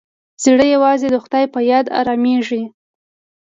زړه یوازې د خدای په یاد ارامېږي.